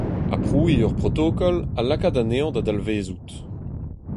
Aprouiñ ur protokol ha lakaat anezhañ da dalvezout.